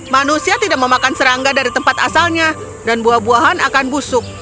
manusia tidak memakan serangga dari tempat asalnya dan buah buahan akan busuk